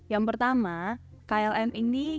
yang pertama kln ini